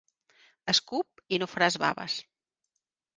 Escup i no faràs baves!